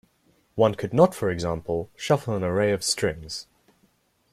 One could not, for example, shuffle an array of strings.